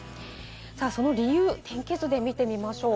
その理由を天気図で見てみましょう。